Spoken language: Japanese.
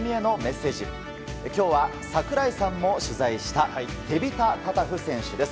今日は櫻井さんも取材したテビタ・タタフ選手です。